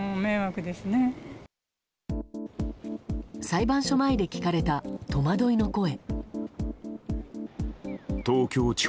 裁判所前で聞かれた戸惑いの声。